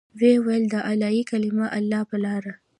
ويې ويل د اعلاى کلمة الله په لاره.